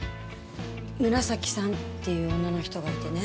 紫さんっていう女の人がいてね。